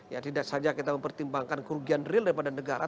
ya tidak saja kita mempertimbangkan kerugian real daripada negara